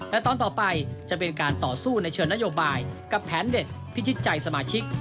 แต่ตอนต่อไปจะเป็นการต่อสู้ในเชิงนโยบายกับแผนเด็ดพิชิตใจสมาชิก